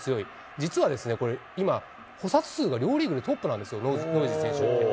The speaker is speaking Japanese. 実はですね、これ、今、捕殺数が両リーグでトップなんですよ、ノイジー選手って。